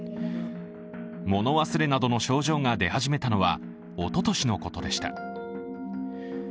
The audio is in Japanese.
物別れなどの症状が出始めたのはおととしのことでした。